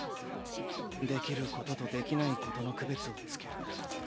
できることとできないことの区別をつける。